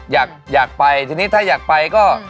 อยากไปทีนี้ถ้าอยากไปก็